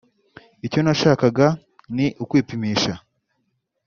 icyo nashakaga ni ukwipimisha